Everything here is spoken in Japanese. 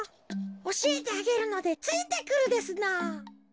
おしえてあげるのでついてくるですのぉ。